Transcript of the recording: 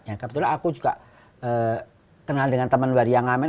ya kebetulan aku juga kenal dengan teman waria ngamen